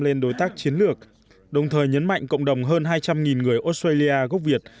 lên đối tác chiến lược đồng thời nhấn mạnh cộng đồng hơn hai trăm linh người australia gốc việt